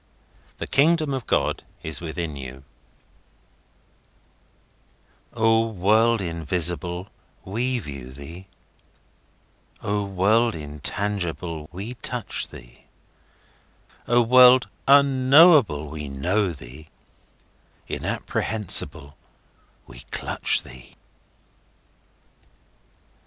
The Kingdom of God O WORLD invisible, we view thee,O world intangible, we touch thee,O world unknowable, we know thee, Inapprehensible, we clutch thee!